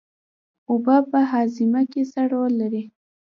اوبه په هاضمه کې څه رول لري